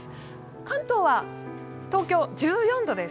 関東は東京、１４度です。